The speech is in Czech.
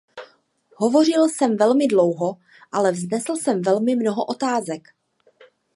Hovořil jsem velmi dlouho, ale vznesl jsem velmi mnoho otázek.